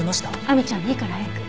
亜美ちゃんいいから早く。